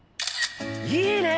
いいね！